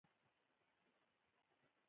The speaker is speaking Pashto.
د تیلو ایستلو ماشینونه شته